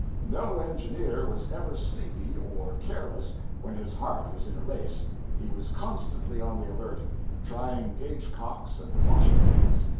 No engineer was ever sleepy or careless when his heart was in a race. He was constantly on the alert, trying gauge cocks and watching things.